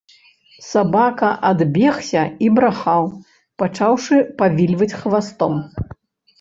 Сабака адбегся і брахаў, пачаўшы павільваць хвастом.